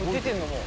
もう。